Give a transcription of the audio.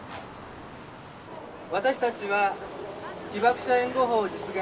私たちは被爆者援護法実現